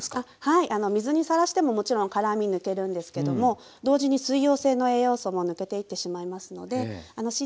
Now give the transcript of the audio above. はい水にさらしてももちろん辛み抜けるんですけども同時に水溶性の栄養素も抜けていってしまいますので新